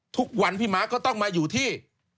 ทุกวันพี่ม้าก็ต้องมาอยู่ที่